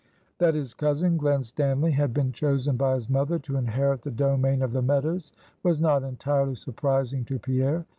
That his cousin, Glen Stanly, had been chosen by his mother to inherit the domain of the Meadows, was not entirely surprising to Pierre.